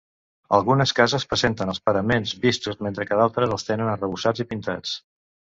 Algunes cases presenten els paraments vistos mentre que d'altres els tenen arrebossats i pintats.